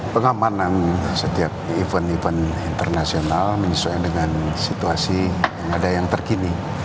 pengamanan setiap event event internasional menyesuaikan dengan situasi yang ada yang terkini